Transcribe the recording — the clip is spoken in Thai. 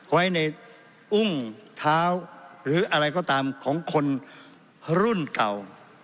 ไว้ในอุ้งเท้าหรืออะไรก็ตามของคนรุ่นเก่า